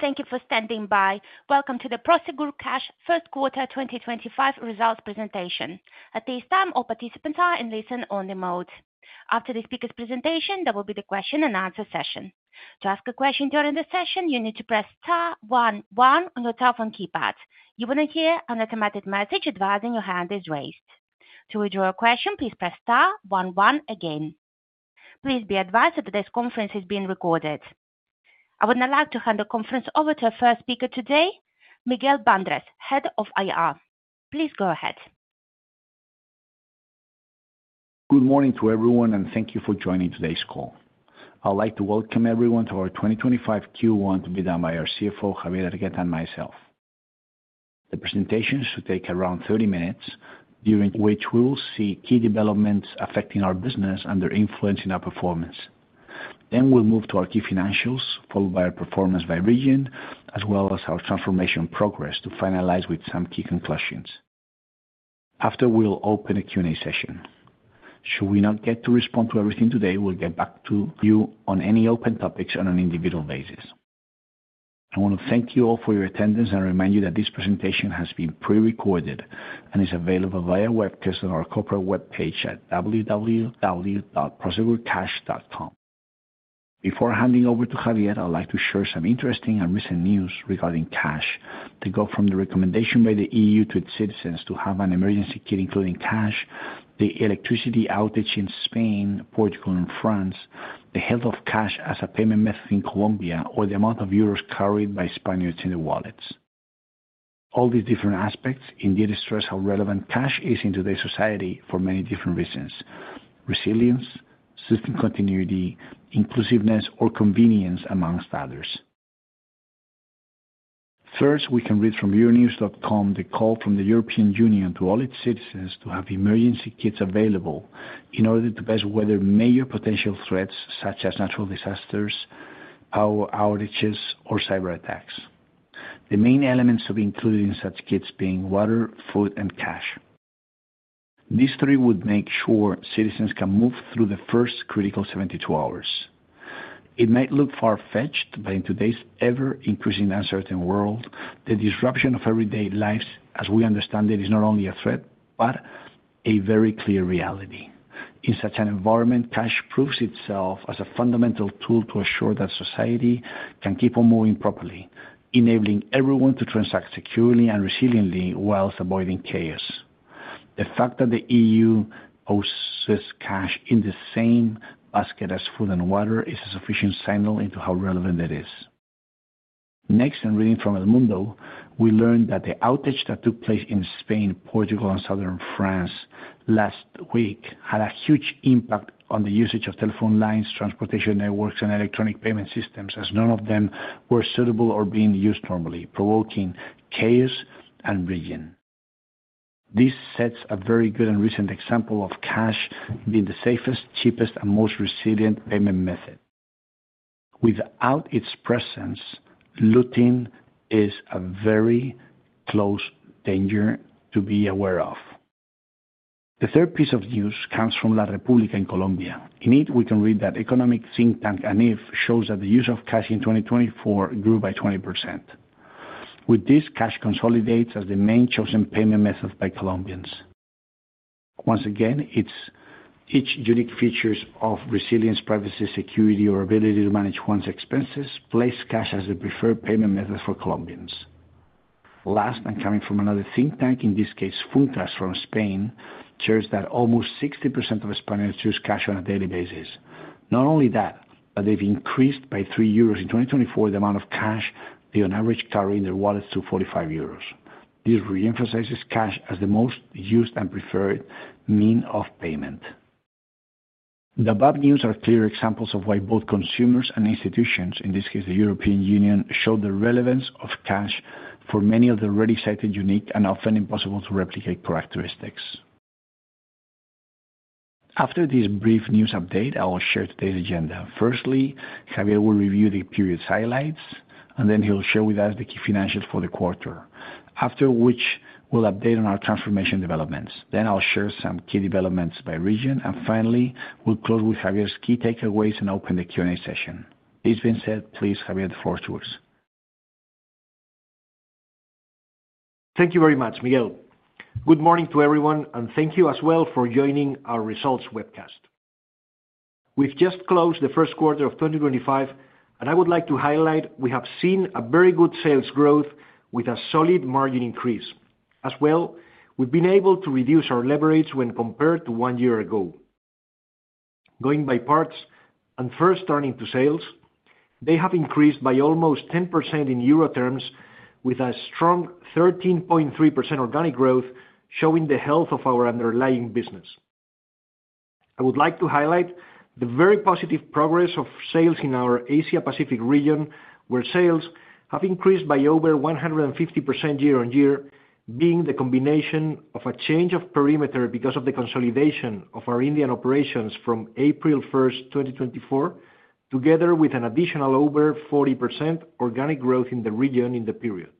Thank you for standing by. Welcome to the Prosegur Cash First Quarter 2025 Results Presentation. At this time, all participants are in listen-only mode. After the speaker's presentation, there will be the question-and-answer session. To ask a question during the session, you need to press star one one on your telephone keypad. You will then hear an automatic message advising your hand is raised. To withdraw a question, please press star one one again. Please be advised that today's conference is being recorded. I would now like to hand the conference over to our first speaker today, Miguel Bandrés, Head of IR. Please go ahead. Good morning to everyone, and thank you for joining today's call. I'd like to welcome everyone to our 2025 Q1 to be done by our CFO, Javier Hergueta, and myself. The presentation should take around 30 minutes, during which we will see key developments affecting our business and their influence in our performance. We will move to our key financials, followed by our performance by region, as well as our transformation progress to finalize with some key conclusions. After, we'll open a Q&A session. Should we not get to respond to everything today, we'll get back to you on any open topics on an individual basis. I want to thank you all for your attendance and remind you that this presentation has been pre-recorded and is available via webcast on our corporate web page at www.prosegurcash.com. Before handing over to Javier, I'd like to share some interesting and recent news regarding cash. To go from the recommendation by the E.U. to its citizens to have an emergency kit including cash, the electricity outage in Spain, Portugal, and France, the health of cash as a payment method in Colombia, or the amount of euros carried by Spaniards in their wallets. All these different aspects indeed stress how relevant cash is in today's society for many different reasons: resilience, system continuity, inclusiveness, or convenience amongst others. First, we can read from euronews.com the call from the European Union to all its citizens to have emergency kits available in order to best weather major potential threats such as natural disasters, power outages, or cyberattacks. The main elements to be included in such kits being water, food, and cash. These three would make sure citizens can move through the first critical 72 hours. It might look far-fetched, but in today's ever-increasingly uncertain world, the disruption of everyday lives, as we understand it, is not only a threat but a very clear reality. In such an environment, cash proves itself as a fundamental tool to assure that society can keep on moving properly, enabling everyone to transact securely and resiliently whilst avoiding chaos. The fact that the E.U. houses cash in the same basket as food and water is a sufficient signal into how relevant it is. Next, in reading from El Mundo, we learned that the outage that took place in Spain, Portugal, and southern France last week had a huge impact on the usage of telephone lines, transportation networks, and electronic payment systems, as none of them were suitable or being used normally, provoking chaos in the region. This sets a very good and recent example of cash being the safest, cheapest, and most resilient payment method. Without its presence, looting is a very close danger to be aware of. The third piece of news comes from La República in Colombia. In it, we can read that economic think tank ANIF shows that the use of cash in 2024 grew by 20%. With this, cash consolidates as the main chosen payment method by Colombians. Once again, its unique features of resilience, privacy, security, or ability to manage one's expenses place cash as the preferred payment method for Colombians. Last, and coming from another think tank, in this case, Funcas from Spain, shares that almost 60% of Spaniards use cash on a daily basis. Not only that, but they've increased by 3 euros in 2024 the amount of cash they on average carry in their wallets to 45 euros. This re-emphasizes cash as the most used and preferred means of payment. The above news are clear examples of why both consumers and institutions, in this case, the European Union, show the relevance of cash for many of the already cited unique and often impossible-to-replicate characteristics. After this brief news update, I will share today's agenda. Firstly, Javier will review the period's highlights, and then he'll share with us the key financials for the quarter, after which we'll update on our transformation developments. Then I'll share some key developments by region, and finally, we'll close with Javier's key takeaways and open the Q&A session. This being said, please, Javier, the floor is yours. Thank you very much, Miguel. Good morning to everyone, and thank you as well for joining our results webcast. We have just closed the first quarter of 2025, and I would like to highlight we have seen very good sales growth with a solid margin increase. As well, we have been able to reduce our leverage when compared to one year ago. Going by parts and first turning to sales, they have increased by almost 10% in EUR terms, with a strong 13.3% organic growth showing the health of our underlying business. I would like to highlight the very positive progress of sales in our Asia-Pacific region, where sales have increased by over 150% year on year, being the combination of a change of perimeter because of the consolidation of our Indian operations from April 1st, 2024, together with an additional over 40% organic growth in the region in the period.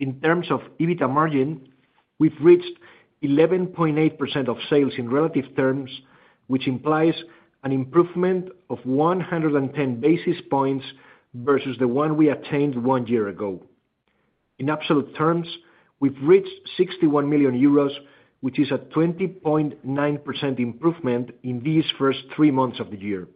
In terms of EBITDA margin, we've reached 11.8% of sales in relative terms, which implies an improvement of 110 basis points versus the one we attained one year ago. In absolute terms, we've reached 61 million euros, which is a 20.9% improvement in these first three months of the year.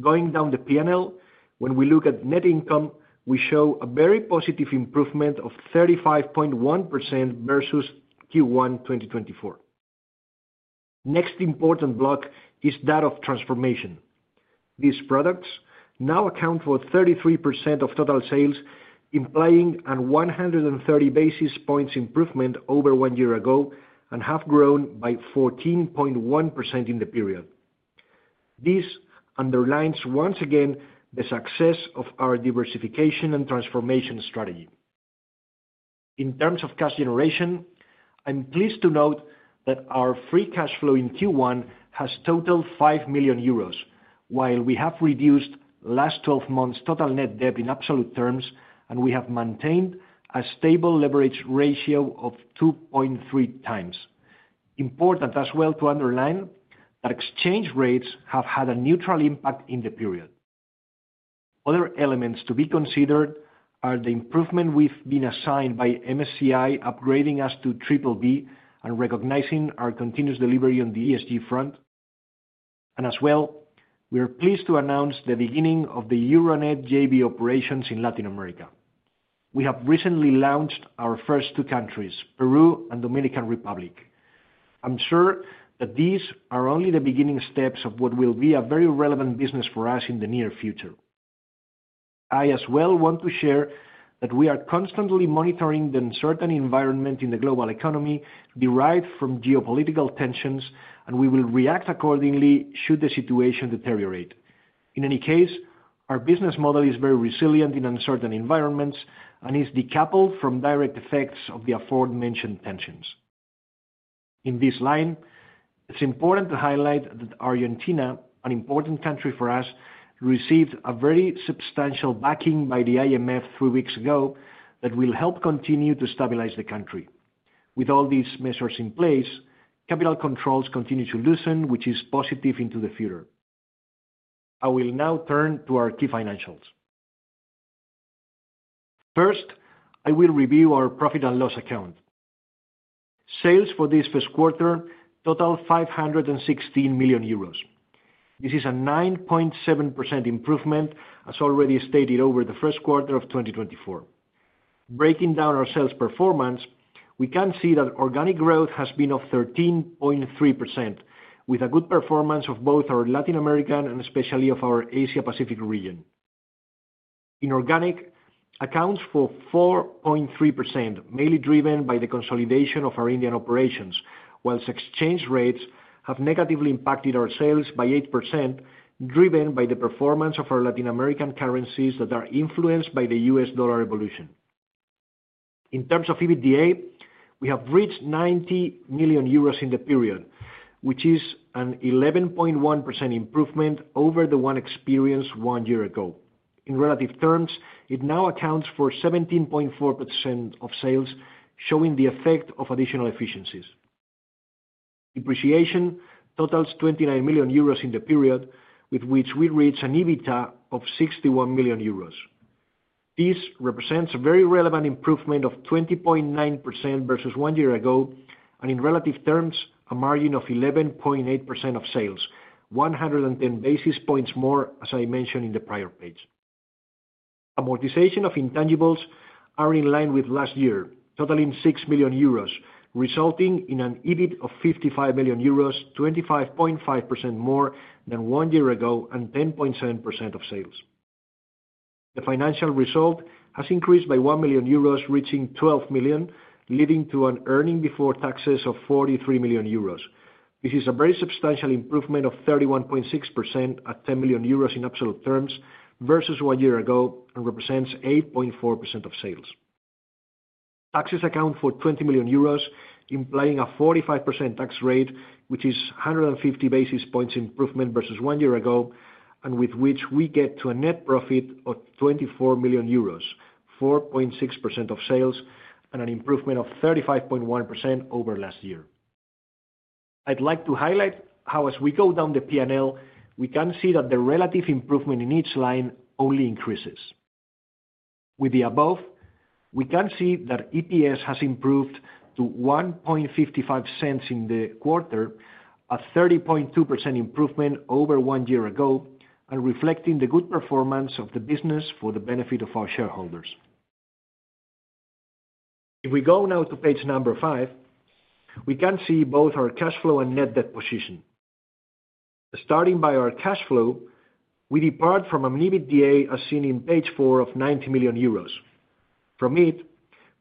Going down the P&L, when we look at net income, we show a very positive improvement of 35.1% versus Q1 2024. Next important block is that of transformation. These products now account for 33% of total sales, implying a 130 basis points improvement over one year ago and have grown by 14.1% in the period. This underlines once again the success of our diversification and transformation strategy. In terms of cash generation, I'm pleased to note that our free cash flow in Q1 has totaled 5 million euros, while we have reduced last 12 months' total net debt in absolute terms, and we have maintained a stable leverage ratio of 2.3 times. It is important as well to underline that exchange rates have had a neutral impact in the period. Other elements to be considered are the improvement we've been assigned by MSCI, upgrading us to BBB and recognizing our continuous delivery on the ESG front. We are also pleased to announce the beginning of the Euronet JV operations in Latin America. We have recently launched our first two countries, Peru and Dominican Republic. I'm sure that these are only the beginning steps of what will be a very relevant business for us in the near future. I as well want to share that we are constantly monitoring the uncertain environment in the global economy derived from geopolitical tensions, and we will react accordingly should the situation deteriorate. In any case, our business model is very resilient in uncertain environments and is decoupled from direct effects of the aforementioned tensions. In this line, it's important to highlight that Argentina, an important country for us, received a very substantial backing by the IMF three weeks ago that will help continue to stabilize the country. With all these measures in place, capital controls continue to loosen, which is positive into the future. I will now turn to our key financials. First, I will review our profit and loss account. Sales for this fiscal quarter totaled 516 million euros. This is a 9.7% improvement, as already stated, over the first quarter of 2024. Breaking down our sales performance, we can see that organic growth has been of 13.3%, with a good performance of both our Latin American and especially of our Asia-Pacific region. Inorganic, accounts for 4.3%, mainly driven by the consolidation of our Indian operations, whilst exchange rates have negatively impacted our sales by 8%, driven by the performance of our Latin American currencies that are influenced by the US dollar evolution. In terms of EBITDA, we have reached 90 million euros in the period, which is an 11.1% improvement over the one experienced one year ago. In relative terms, it now accounts for 17.4% of sales, showing the effect of additional efficiencies. Depreciation totals 29 million euros in the period, with which we reach an EBITDA of 61 million euros. This represents a very relevant improvement of 20.9% versus one year ago, and in relative terms, a margin of 11.8% of sales, 110 basis points more, as I mentioned in the prior page. Amortization of intangibles is in line with last year, totaling 6 million euros, resulting in an EBIT of 55 million euros, 25.5% more than one year ago and 10.7% of sales. The financial result has increased by 1 million euros, reaching 12 million, leading to an earning before taxes of 43 million euros. This is a very substantial improvement of 31.6% at 10 million euros in absolute terms versus one year ago and represents 8.4% of sales. Taxes account for 20 million euros, implying a 45% tax rate, which is 150 basis points improvement versus one year ago, and with which we get to a net profit of 24 million euros, 4.6% of sales, and an improvement of 35.1% over last year. I'd like to highlight how, as we go down the P&L, we can see that the relative improvement in each line only increases. With the above, we can see that EPS has improved to 0.0155 in the quarter, a 30.2% improvement over one year ago, and reflecting the good performance of the business for the benefit of our shareholders. If we go now to page number five, we can see both our cash flow and net debt position. Starting by our cash flow, we depart from an EBITDA as seen in page four of 90 million euros. From it,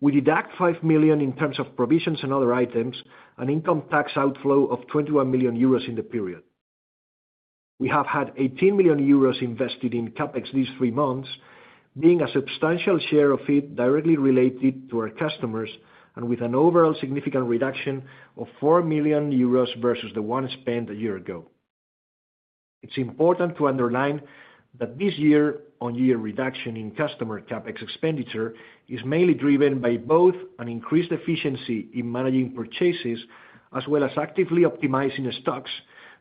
we deduct 5 million in terms of provisions and other items, an income tax outflow of 21 million euros in the period. We have had 18 million euros invested in CapEx these three months, being a substantial share of it directly related to our customers, and with an overall significant reduction of 4 million euros versus the one spent a year ago. It's important to underline that this year-on-year reduction in customer CapEx expenditure is mainly driven by both an increased efficiency in managing purchases as well as actively optimizing stocks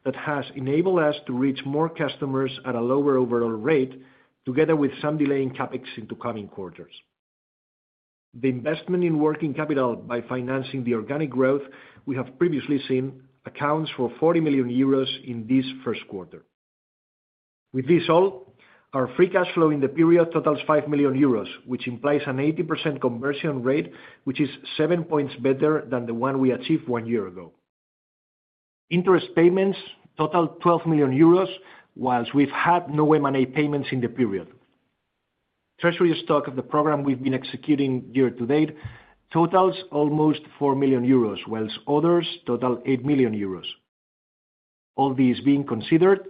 that has enabled us to reach more customers at a lower overall rate, together with some delay in CapEx in the coming quarters. The investment in working capital by financing the organic growth we have previously seen accounts for 40 million euros in this first quarter. With this all, our free cash flow in the period totals 5 million euros, which implies an 80% conversion rate, which is 7 percentage points better than the one we achieved one year ago. Interest payments total 12 million euros, whilst we've had no M&A payments in the period. Treasury stock of the program we've been executing year to date totals almost 4 million euros, whilst others total 8 million euros. All these being considered,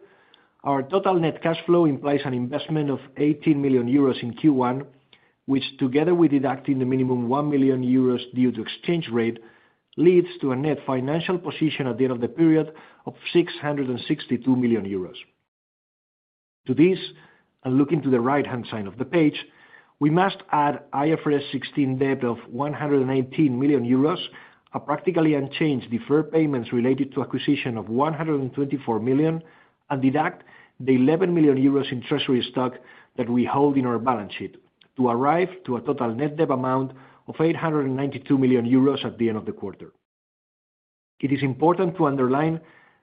our total net cash flow implies an investment of 18 million euros in Q1, which, together with deducting the minimum 1 million euros due to exchange rate, leads to a net financial position at the end of the period of 662 million euros. To this, and looking to the right-hand side of the page, we must add IFRS 16 debt of 118 million euros, a practically unchanged deferred payments related to acquisition of 124 million, and deduct the 11 million euros in treasury stock that we hold in our balance sheet to arrive to a total net debt amount of 892 million euros at the end of the quarter. It is important to underline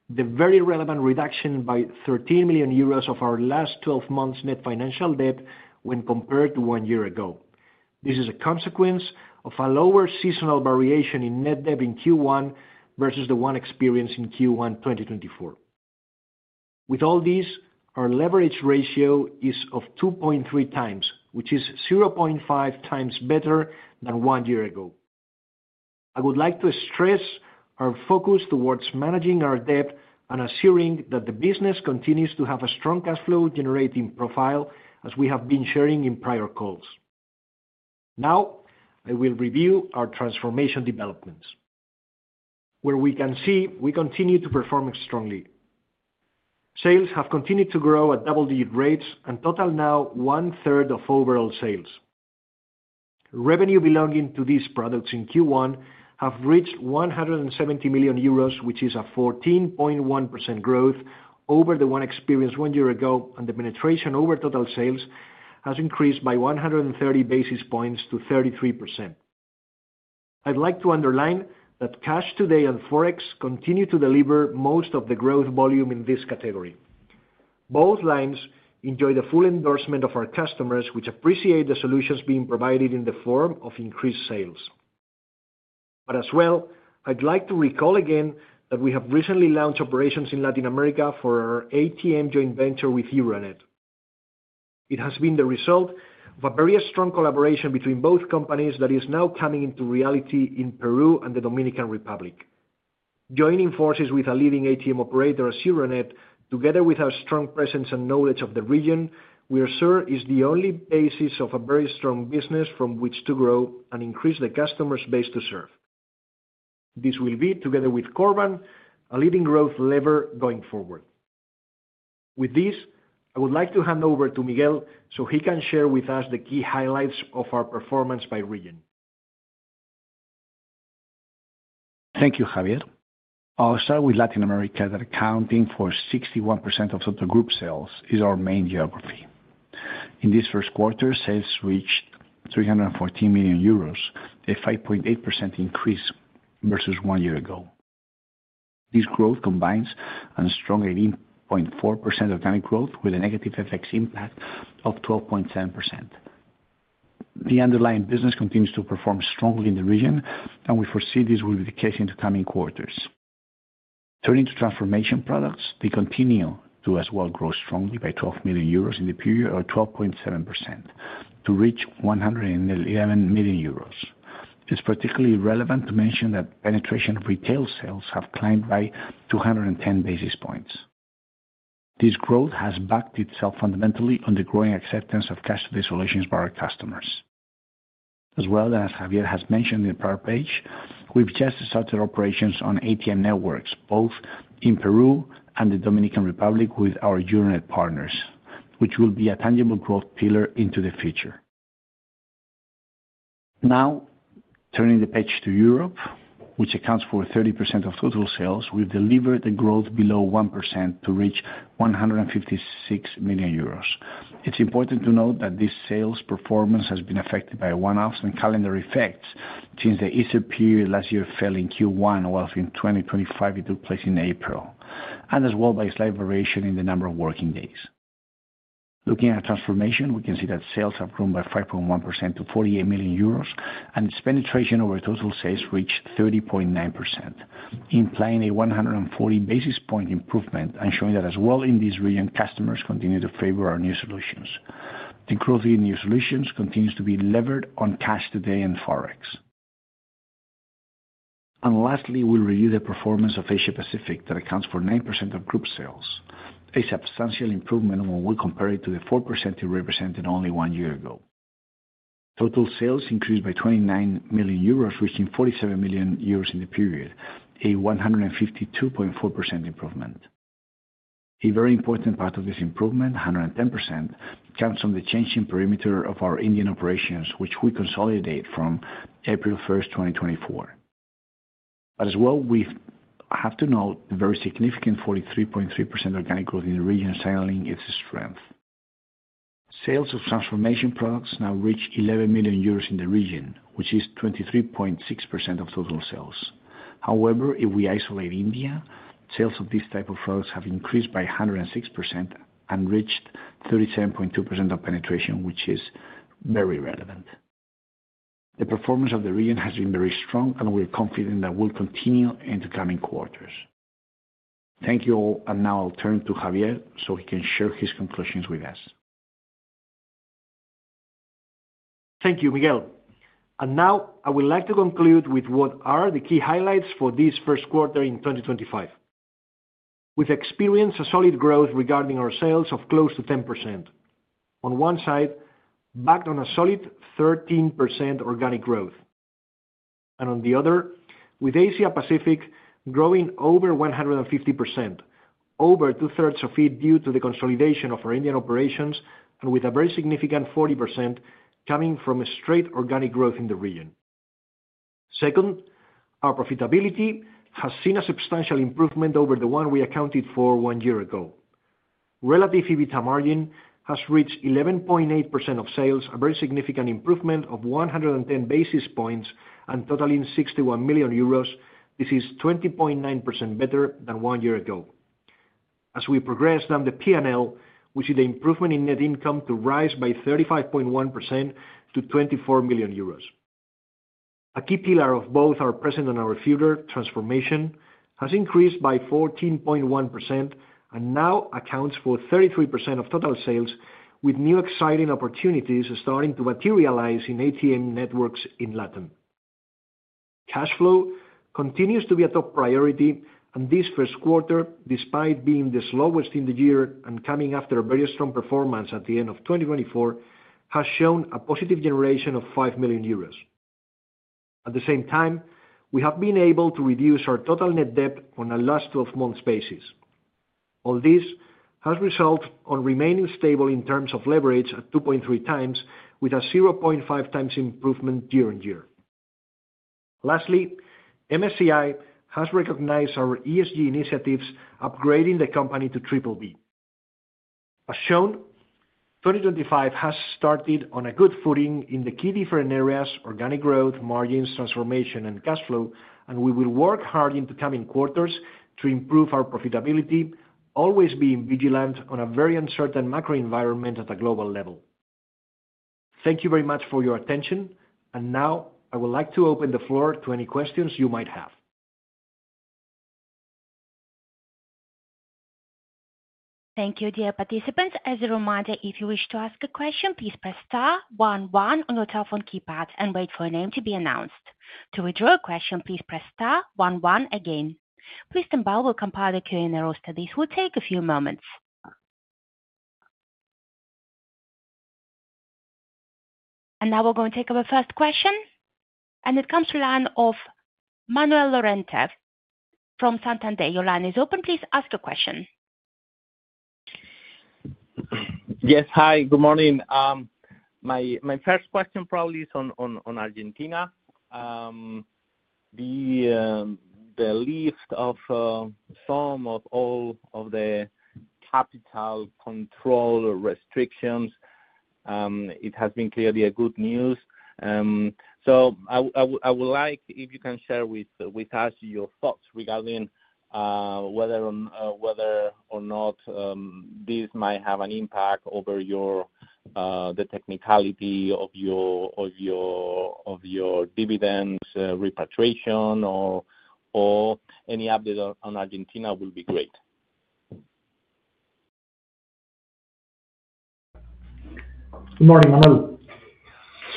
the very relevant reduction by 13 million euros of our last 12 months' net financial debt when compared to one year ago. This is a consequence of a lower seasonal variation in net debt in Q1 versus the one experienced in Q1 2024. With all these, our leverage ratio is of 2.3 times, which is 0.5x better than one year ago. I would like to stress our focus towards managing our debt and assuring that the business continues to have a strong cash flow generating profile, as we have been sharing in prior calls. Now, I will review our transformation developments. Where we can see, we continue to perform strongly. Sales have continued to grow at double-digit rates and total now one-third of overall sales. Revenue belonging to these products in Q1 have reached 170 million euros, which is a 14.1% growth over the one experienced one year ago, and the penetration over total sales has increased by 130 basis points to 33%. I would like to underline that Cash Today and Forex continue to deliver most of the growth volume in this category. Both lines enjoy the full endorsement of our customers, which appreciate the solutions being provided in the form of increased sales. I would also like to recall again that we have recently launched operations in Latin America for our ATM joint venture with Euronet. It has been the result of a very strong collaboration between both companies that is now coming into reality in Peru and the Dominican Republic. Joining forces with a leading ATM operator as Euronet, together with our strong presence and knowledge of the region, we are sure is the only basis of a very strong business from which to grow and increase the customers' base to serve. This will be, together with Corban, a leading growth lever going forward. With this, I would like to hand over to Miguel so he can share with us the key highlights of our performance by region. Thank you, Javier. I'll start with Latin America that accounting for 61% of Total Group sales is our main geography. In this first quarter, sales reached 314 million euros, a 5.8% increase versus one year ago. This growth combines a strong 18.4% organic growth with a negative FX impact of 12.7%. The underlying business continues to perform strongly in the region, and we foresee this will be the case in the coming quarters. Turning to transformation products, they continue to as well grow strongly by 12 million euros in the period of 12.7% to reach 111 million euros. It's particularly relevant to mention that penetration of retail sales have climbed by 210 basis points. This growth has backed itself fundamentally on the growing acceptance of Cash Today solutions by our customers. As well as Javier has mentioned in the prior page, we've just started operations on ATM networks, both in Peru and the Dominican Republic, with our Euronet partners, which will be a tangible growth pillar into the future. Now, turning the page to Europe, which accounts for 30% of total sales, we've delivered a growth below 1% to reach 156 million euros. It's important to note that this sales performance has been affected by one-offs and calendar effects since the Easter period last year fell in Q1, while in 2025 it took place in April, and as well by a slight variation in the number of working days. Looking at transformation, we can see that sales have grown by 5.1% to 48 million euros, and its penetration over total sales reached 30.9%, implying a 140 basis point improvement and showing that as well in this region, customers continue to favor our new solutions. The growth in new solutions continues to be levered on Cash Today and Forex. Lastly, we'll review the performance of Asia-Pacific that accounts for 9% of group sales, a substantial improvement when we compare it to the 4% it represented only one year ago. Total sales increased by 29 million euros, reaching 47 million euros in the period, a 152.4% improvement. A very important part of this improvement, 110%, comes from the change in perimeter of our Indian operations, which we consolidate from April 1, 2024. We have to note the very significant 43.3% organic growth in the region signaling its strength. Sales of transformation products now reach 11 million euros in the region, which is 23.6% of total sales. However, if we isolate India, sales of this type of products have increased by 106% and reached 37.2% of penetration, which is very relevant. The performance of the region has been very strong, and we're confident that will continue into coming quarters. Thank you all, and now I'll turn to Javier so he can share his conclusions with us. Thank you, Miguel. I would like to conclude with what are the key highlights for this first quarter in 2025. With experience, a solid growth regarding our sales of close to 10%. On one side, backed on a solid 13% organic growth. On the other, with Asia-Pacific growing over 150%, over two-thirds of it due to the consolidation of our Indian operations, and with a very significant 40% coming from a straight organic growth in the region. Second, our profitability has seen a substantial improvement over the one we accounted for one year ago. Relative EBITDA margin has reached 11.8% of sales, a very significant improvement of 110 basis points and totaling 61 million euros. This is 20.9% better than one year ago. As we progress down the P&L, we see the improvement in net income to rise by 35.1% to 24 million euros. A key pillar of both our present and our future, transformation, has increased by 14.1% and now accounts for 33% of total sales, with new exciting opportunities starting to materialize in ATM networks in Latin. Cash flow continues to be a top priority, and this first quarter, despite being the slowest in the year and coming after a very strong performance at the end of 2024, has shown a positive generation of 5 million euros. At the same time, we have been able to reduce our total net debt on a last 12-month basis. All this has resulted in remaining stable in terms of leverage at 2.3x, with a 0.5x improvement year on year. Lastly, MSCI has recognized our ESG initiatives, upgrading the company to BBB. As shown, 2025 has started on a good footing in the key different areas: organic growth, margins, transformation, and cash flow, and we will work hard in the coming quarters to improve our profitability, always being vigilant on a very uncertain macro environment at a global level. Thank you very much for your attention, and now I would like to open the floor to any questions you might have. Thank you, dear participants. As a reminder, if you wish to ask a question, please press star one one on your telephone keypad and wait for a name to be announced. To withdraw a question, please press star one one again. Mr. Bandrés will compile the Q&A roster. This will take a few moments. Now we are going to take our first question, and it comes from the line of Manuel Lorente from Santander. Your line is open. Please ask a question. Yes, hi, good morning. My first question probably is on Argentina. The lift of some or all of the capital control restrictions, it has been clearly good news. I would like if you can share with us your thoughts regarding whether or not this might have an impact over the technicality of your dividends, repatriation, or any update on Argentina would be great. Good morning, Manuel.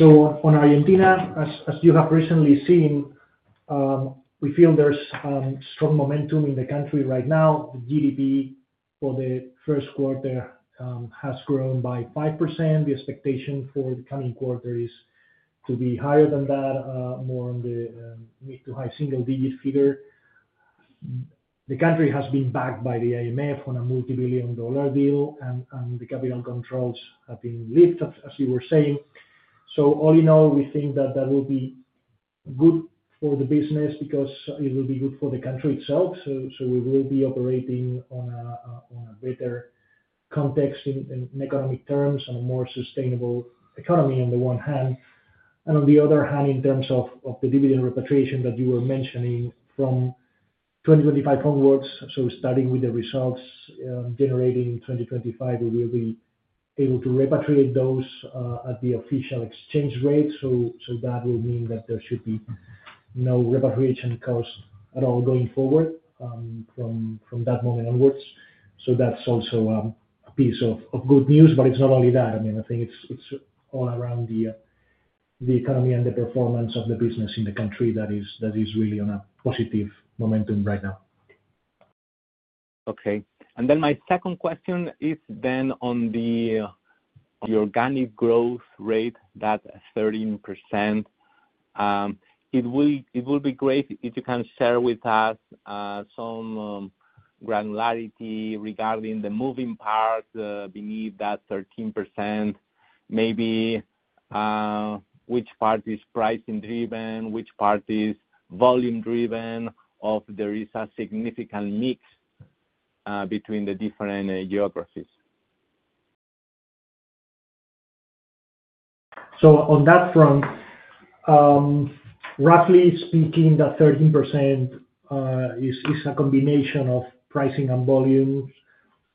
On Argentina, as you have recently seen, we feel there's strong momentum in the country right now. The GDP for the first quarter has grown by 5%. The expectation for the coming quarter is to be higher than that, more on the mid to high single-digit figure. The country has been backed by the IMF on a multi-billion dollar deal, and the capital controls have been lifted, as you were saying. All in all, we think that that will be good for the business because it will be good for the country itself. We will be operating on a better context in economic terms and a more sustainable economy on the one hand. On the other hand, in terms of the dividend repatriation that you were mentioning from 2025 onwards, starting with the results generating in 2025, we will be able to repatriate those at the official exchange rate. That will mean that there should be no repatriation cost at all going forward from that moment onwards. That is also a piece of good news, but it is not only that. I mean, I think it is all around the economy and the performance of the business in the country that is really on a positive momentum right now. Okay. My second question is then on the organic growth rate, that 13%. It will be great if you can share with us some granularity regarding the moving parts beneath that 13%, maybe which part is pricing driven, which part is volume driven, if there is a significant mix between the different geographies. On that front, roughly speaking, that 13% is a combination of pricing and volume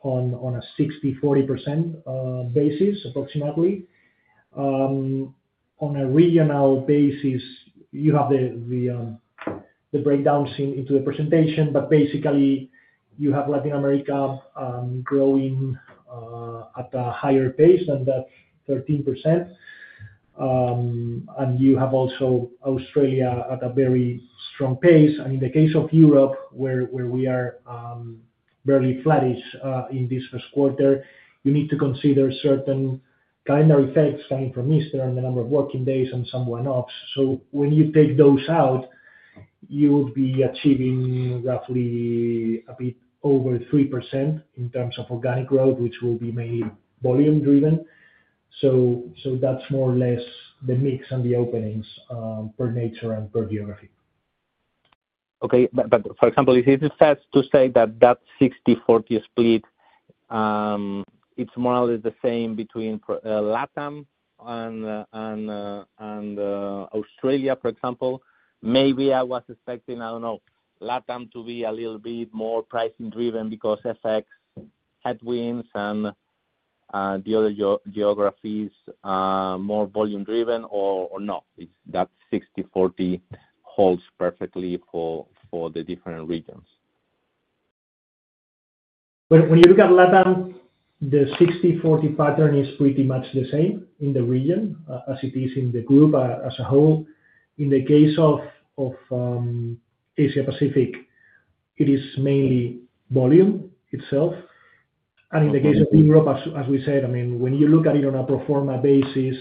on a 60-40% basis, approximately. On a regional basis, you have the breakdown seen into the presentation, but basically, you have Latin America growing at a higher pace than that 13%, and you have also Australia at a very strong pace. In the case of Europe, where we are barely flattish in this first quarter, you need to consider certain calendar effects coming from Easter and the number of working days and some one-offs. When you take those out, you would be achieving roughly a bit over 3% in terms of organic growth, which will be mainly volume driven. That is more or less the mix and the openings per nature and per geography. Okay. For example, if it is fair to say that that 60-40 split, it is more or less the same between Latin and Australia, for example, maybe I was expecting, I do not know, Latin to be a little bit more pricing driven because FX headwinds and the other geographies are more volume driven, or not? That 60-40 holds perfectly for the different regions. When you look at Latin, the 60-40 pattern is pretty much the same in the region as it is in the group as a whole. In the case of Asia-Pacific, it is mainly volume itself. In the case of Europe, as we said, I mean, when you look at it on a proforma basis,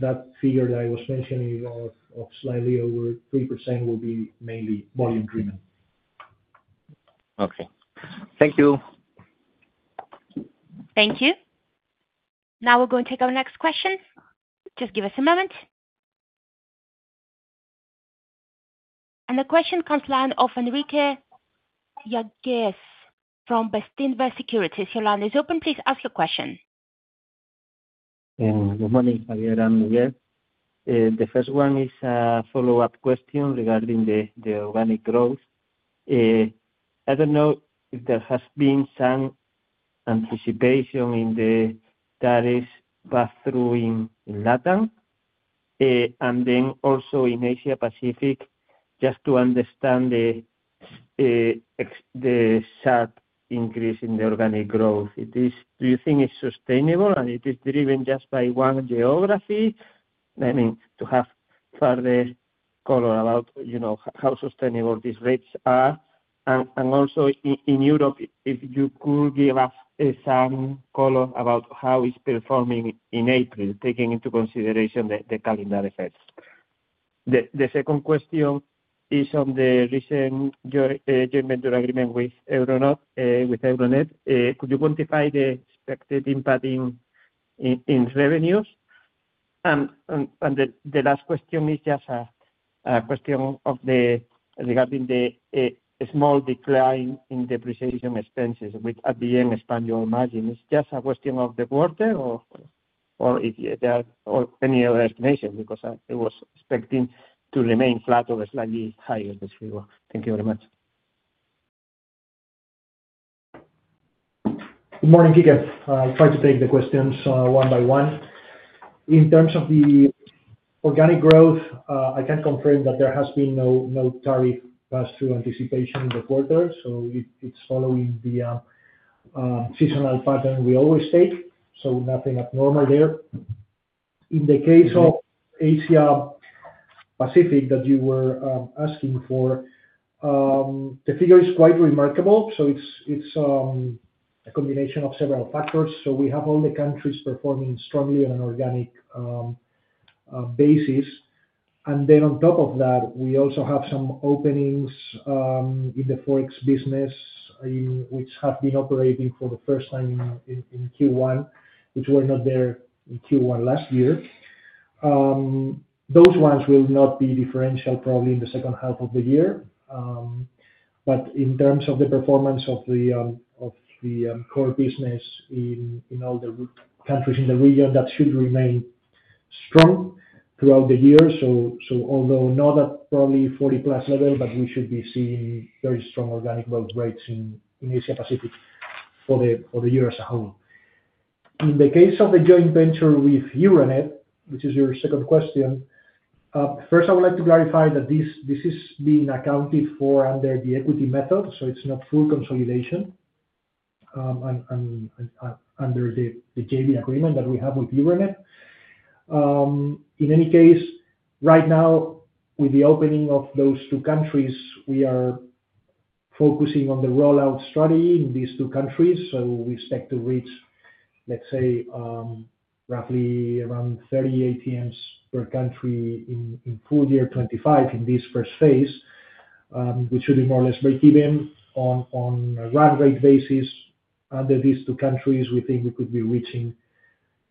that figure that I was mentioning of slightly over 3% will be mainly volume driven. Okay. Thank you. Thank you. Now we're going to take our next question. Just give us a moment. The question comes live from Enrique Yáguez from Bestinver Securities. Your line is open. Please ask your question. Good morning, Javier and Miguel. The first one is a follow-up question regarding the organic growth. I don't know if there has been some anticipation in the tariffs passed through in Latam. Also, in Asia-Pacific, just to understand the sharp increase in the organic growth, do you think it's sustainable and it is driven just by one geography? I mean, to have further color about how sustainable these rates are. Also in Europe, if you could give us some color about how it is performing in April, taking into consideration the calendar effects. The second question is on the recent joint venture agreement with Euronet. Could you quantify the expected impact in revenues? The last question is just a question regarding the small decline in depreciation expenses, which at the end expand your margin. It is just a question of the quarter or any other estimation because I was expecting it to remain flat or slightly higher this year. Thank you very much. Good morning, Enrique. I will try to take the questions one by one. In terms of the organic growth, I can confirm that there has been no tariff passed through anticipation in the quarter. It is following the seasonal pattern we always take. Nothing abnormal there. In the case of Asia-Pacific that you were asking for, the figure is quite remarkable. It is a combination of several factors. We have all the countries performing strongly on an organic basis. On top of that, we also have some openings in the Forex business, which have been operating for the first time in Q1, which were not there in Q1 last year. Those ones will not be differential probably in the second half of the year. In terms of the performance of the core business in all the countries in the region, that should remain strong throughout the year. Although not at probably 40+ level, we should be seeing very strong organic growth rates in Asia-Pacific for the year as a whole. In the case of the joint venture with Euronet, which is your second question, first, I would like to clarify that this is being accounted for under the equity method, so it is not full consolidation under the JV agreement that we have with Euronet. In any case, right now, with the opening of those two countries, we are focusing on the rollout strategy in these two countries. We expect to reach, let's say, roughly around 30 ATMs per country in full year 2025 in this first phase, which should be more or less breakeven on a run rate basis. Under these two countries, we think we could be reaching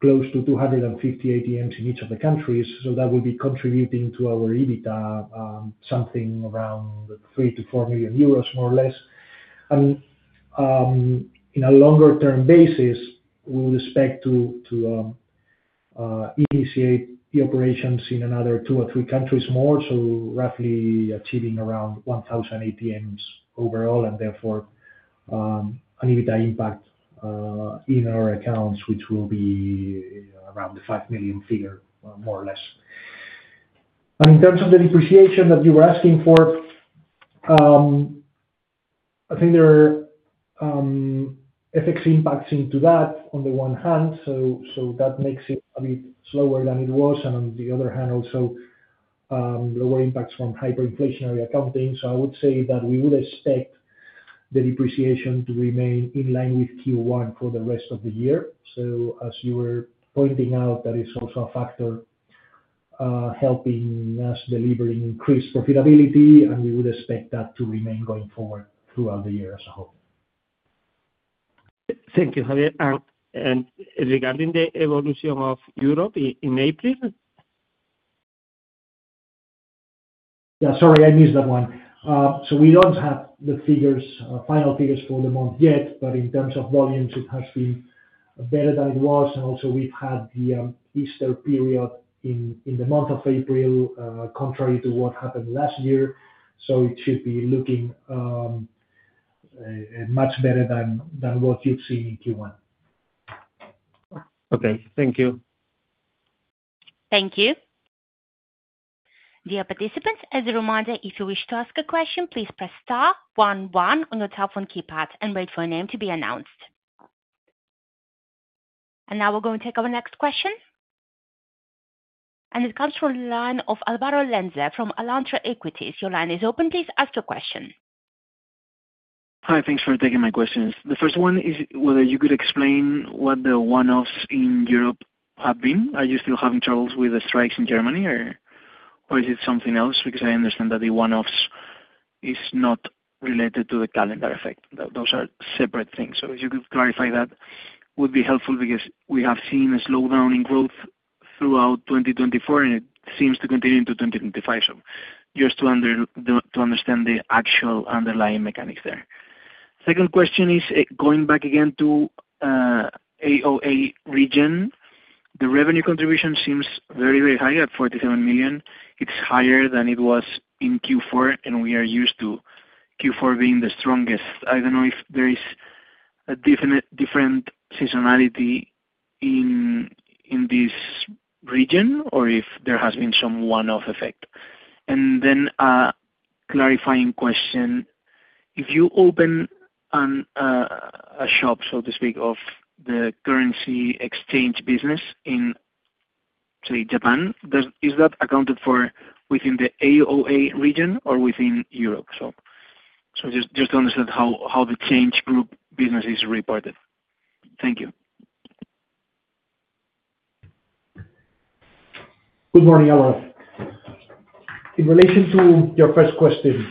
close to 250 ATMs in each of the countries. That will be contributing to our EBITDA, something around 3 million-4 million euros, more or less. In a longer-term basis, we would expect to initiate the operations in another two or three countries more, so roughly achieving around 1,000 ATMs overall, and therefore an EBITDA impact in our accounts, which will be around the 5 million figure, more or less. In terms of the depreciation that you were asking for, I think there are FX impacts into that on the one hand, so that makes it a bit slower than it was, and on the other hand, also lower impacts from hyperinflationary accounting. I would say that we would expect the depreciation to remain in line with Q1 for the rest of the year. As you were pointing out, that is also a factor helping us deliver increased profitability, and we would expect that to remain going forward throughout the year as a whole. Thank you, Javier. Regarding the evolution of Europe in April? Yeah, sorry, I missed that one. We do not have the final figures for the month yet, but in terms of volumes, it has been better than it was. Also, we have had the Easter period in the month of April, contrary to what happened last year. It should be looking much better than what you have seen in Q1. Okay. Thank you. Thank you. Dear participants, as a reminder, if you wish to ask a question, please press *11 on your telephone keypad and wait for a name to be announced. We are going to take our next question. It comes from the line of Álvaro Lenze from Alantra Equities. Your line is open. Please ask your question. Hi, thanks for taking my questions. The first one is whether you could explain what the one-offs in Europe have been. Are you still having troubles with the strikes in Germany, or is it something else? Because I understand that the one-offs is not related to the calendar effect. Those are separate things. If you could clarify that would be helpful because we have seen a slowdown in growth throughout 2024, and it seems to continue into 2025. Just to understand the actual underlying mechanics there. Second question is going back again to AOA region. The revenue contribution seems very, very high at 47 million. It is higher than it was in Q4, and we are used to Q4 being the strongest. I do not know if there is a different seasonality in this region or if there has been some one-off effect. Then a clarifying question. If you open a shop, so to speak, of the currency exchange business in, say, Japan, is that accounted for within the AOA region or within Europe? Just to understand how the ChangeGroup business is reported. Thank you. Good morning, Alvaro. In relation to your first question,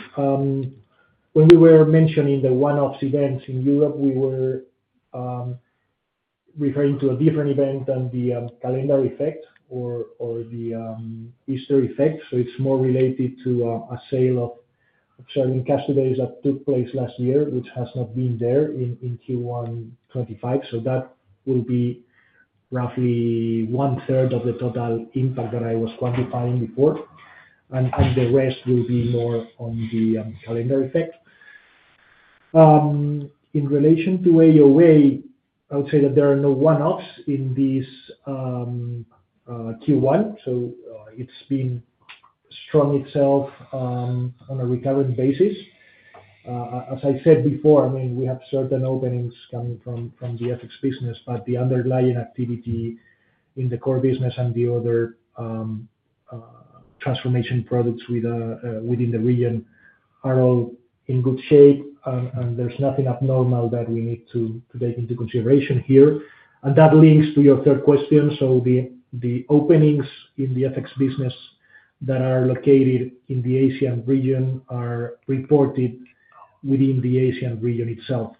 when we were mentioning the one-off events in Europe, we were referring to a different event than the calendar effect or the Easter effect. It is more related to a sale of certain custodies that took place last year, which has not been there in Q1 2025. That will be roughly one-third of the total impact that I was quantifying before. The rest will be more on the calendar effect. In relation to AOA, I would say that there are no one-offs in this Q1. It has been strong itself on a recurrent basis. As I said before, I mean, we have certain openings coming from the FX business, but the underlying activity in the core business and the other transformation products within the region are all in good shape, and there is nothing abnormal that we need to take into consideration here. That links to your third question. The openings in the FX business that are located in the ASEAN region are reported within the ASEAN region itself.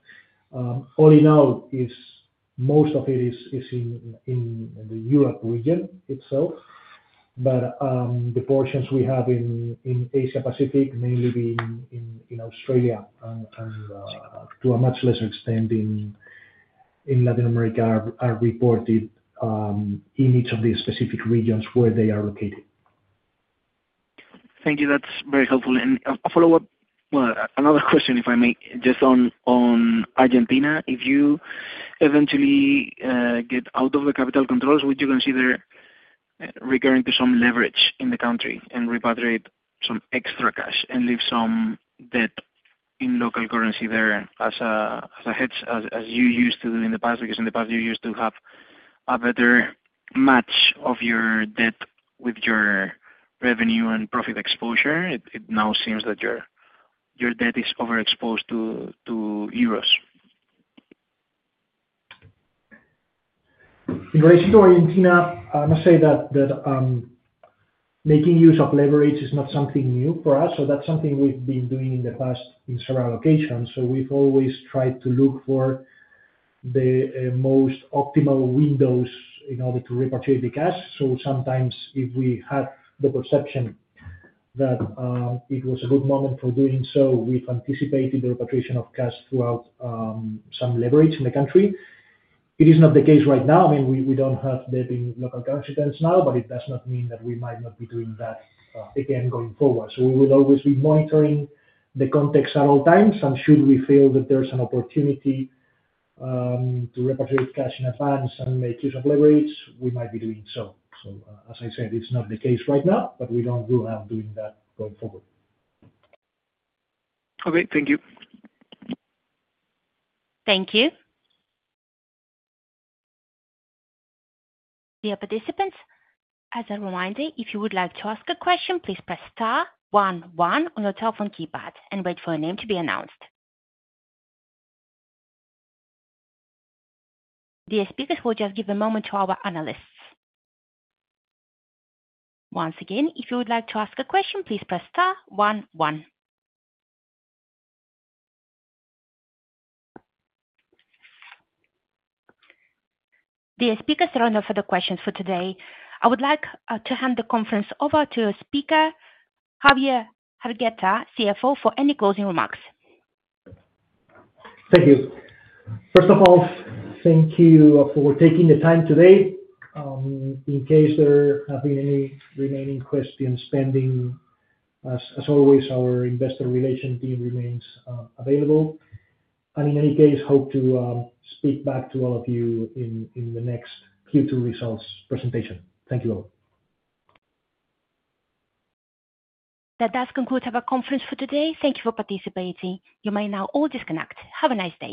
All in all, most of it is in the Europe region itself, but the portions we have in Asia-Pacific, mainly being in Australia, and to a much lesser extent in Latin America, are reported in each of the specific regions where they are located. Thank you. That is very helpful. A follow-up, another question, if I may, just on Argentina. If you eventually get out of the capital controls, would you consider recurring to some leverage in the country and repatriate some extra cash and leave some debt in local currency there as a hedge, as you used to do in the past? Because in the past, you used to have a better match of your debt with your revenue and profit exposure. It now seems that your debt is overexposed to euros. In relation to Argentina, I must say that making use of leverage is not something new for us. That is something we've been doing in the past in several locations. We've always tried to look for the most optimal windows in order to repatriate the cash. Sometimes, if we had the perception that it was a good moment for doing so, we've anticipated the repatriation of cash throughout some leverage in the country. It is not the case right now. I mean, we do not have debt in local currency now, but it does not mean that we might not be doing that again going forward. We will always be monitoring the context at all times. Should we feel that there is an opportunity to repatriate cash in advance and make use of leverage, we might be doing so. As I said, it is not the case right now, but we do not rule out doing that going forward. Thank you. Thank you. Dear participants, as a reminder, if you would like to ask a question, please press star one one on your telephone keypad and wait for a name to be announced. Dear speakers, we will just give a moment to our analysts. Once again, if you would like to ask a question, please press star one one. Dear speakers, there are no further questions for today. I would like to hand the conference over to Javier Hergueta, CFO, for any closing remarks. Thank you. First of all, thank you for taking the time today. In case there have been any remaining questions, as always, our investor relation team remains available. In any case, hope to speak back to all of you in the next Q2 results presentation. Thank you all. That does conclude our conference for today. Thank you for participating. You may now all disconnect. Have a nice day.